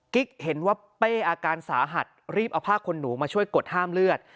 เห็นว่าเป้อาการสาหัสรีบเอาผ้าคนหนูมาช่วยกดห้ามเลือด